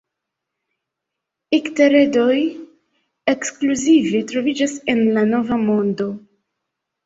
Ikteredoj ekskluzive troviĝas en la Nova Mondo.